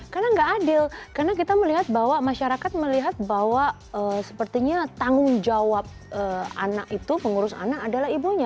karena tidak adil karena kita melihat bahwa masyarakat melihat bahwa sepertinya tanggung jawab anak itu pengurus anak adalah ibunya